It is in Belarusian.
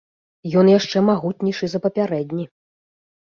Ён яшчэ магутнейшы за папярэдні.